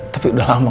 tapi udah lama